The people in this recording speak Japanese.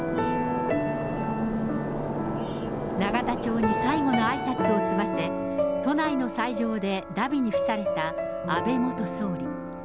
永田町に最後のあいさつを済ませ、都内の斎場でだびに付された安倍元総理。